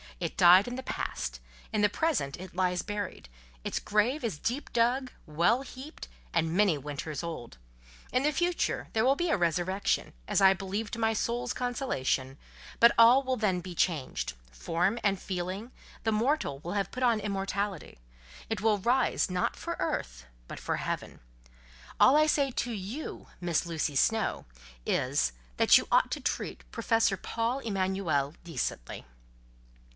It died in the past—in the present it lies buried—its grave is deep dug, well heaped, and many winters old: in the future there will be a resurrection, as I believe to my souls consolation; but all will then be changed—form and feeling: the mortal will have put on immortality—it will rise, not for earth, but heaven. All I say to you, Miss Lucy Snowe, is—that you ought to treat Professor Paul Emanuel decently."